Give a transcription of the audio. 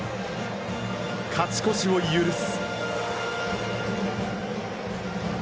勝ち越しを許す。